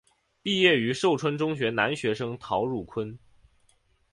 毕业于寿春中学男学生陶汝坤。